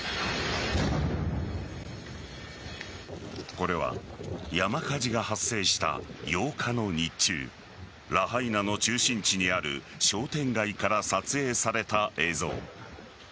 これは山火事が発生した８日の日中ラハイナの中心地にある商店街から撮影された映像。